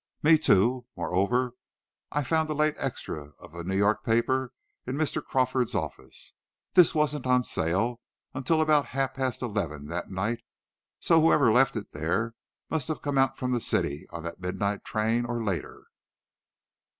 "Me, too. Moreover, I found a late extra of a New York paper in Mr. Crawford's office. This wasn't on sale until about half past eleven that night, so whoever left it there must have come out from the city on that midnight train, or later."